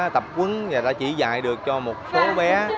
tập quấn và đã chỉ dạy được cho một số bé